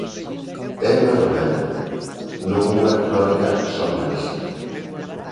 É unha novela, non unha crónica xornalística.